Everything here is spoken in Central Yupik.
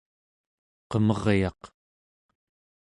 qemeryaq